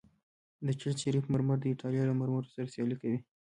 د چشت شریف مرمر د ایټالیا له مرمرو سره سیالي کوي